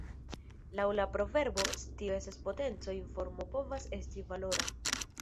Laŭ la proverbo "scio estas potenco" informo povas esti valora.